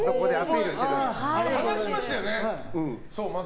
見てましたよね